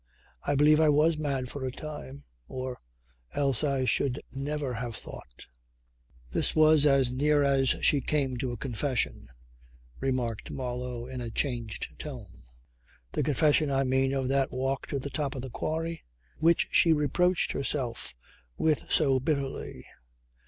I believe I was mad for a time or else I should never have thought ...""This was as near as she came to a confession," remarked Marlow in a changed tone. "The confession I mean of that walk to the top of the quarry which she reproached herself with so bitterly.